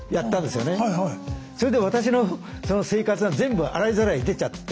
それで私のその生活が全部洗いざらい出ちゃって。